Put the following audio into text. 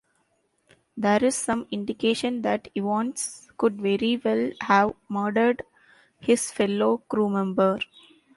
There is some indication that Evans could very well have murdered his fellow crewmember.